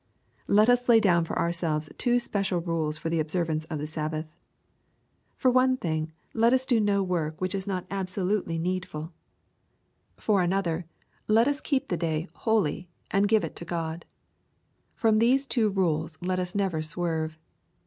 Let us lay down for ourselves two special rules for the observance of the Sabbath. For one thing let us do co work which is not abs(^lutely needful LUKE, CHAP. XIH. 128 For another, let us keep the day " holy," and give it to God. From these two rules let us never swerve.